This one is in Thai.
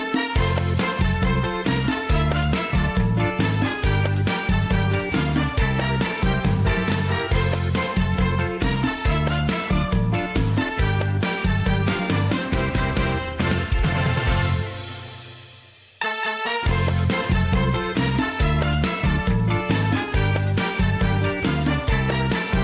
โปรดติดตามตอนต่อไป